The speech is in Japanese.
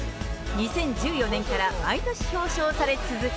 ２０１４年から毎年表彰され続け。